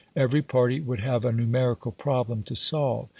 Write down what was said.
Every party would have a numerical problem to solve.